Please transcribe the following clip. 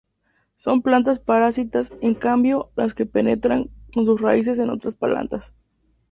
Son plantas parásitas en cambio las que penetran con sus raíces en otras plantas.